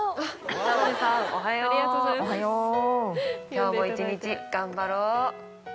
おはよう。